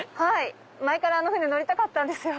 前から乗りたかったんですよ。